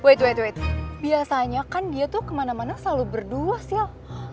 wait wait wait biasanya kan dia tuh kemana mana selalu berdua sil